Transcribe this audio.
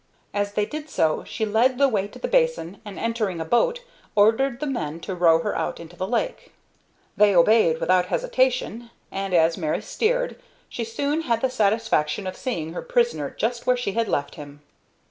As they did so she led the way to the basin, and, entering a boat, ordered the men to row her out into the lake. They obeyed without hesitation, and, as Mary steered, she soon had the satisfaction of seeing her prisoner just where she had left him.